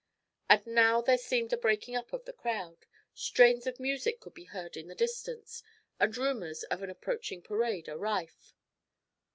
And now there seemed a breaking up of the crowd, strains of music could be heard in the distance, and rumours of an approaching parade are rife.